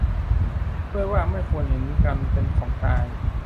ด้วยว่าไม่ควรเห็นกันเป็นของตาย